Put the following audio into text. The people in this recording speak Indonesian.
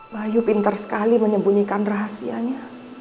bayu pintar sekali menyembunyikan rahasianya